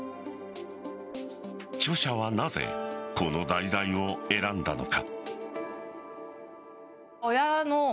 著者はなぜこの題材を選んだのか。